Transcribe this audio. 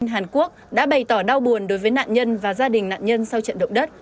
hàn quốc đã bày tỏ đau buồn đối với nạn nhân và gia đình nạn nhân sau trận động đất